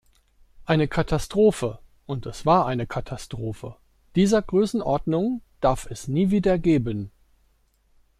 Eine Katastrophe und es war eine Katastrophe dieser Größenordnung darf es nie wieder geben.